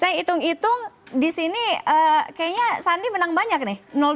saya hitung hitung di sini kayaknya sandi menang banyak nih